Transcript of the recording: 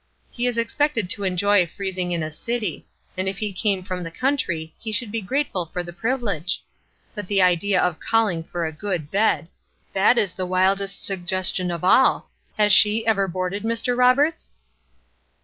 He is expected to enjoy freezing in a city; and if he come from the country, he should be grateful for the privilege! But the idea of calling for a good bed! That is the wildest suggestion of all! Has she ever boarded, Mr. Roberts?"